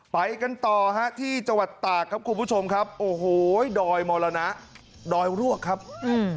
ไปกันต่อฮะที่จังหวัดตากครับคุณผู้ชมครับโอ้โหดอยมรณะดอยรวกครับอืม